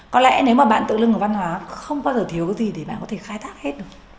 có lẽ nếu mà bạn tự lưng ở văn hóa không bao giờ thiếu cái gì để bạn có thể khai thác hết được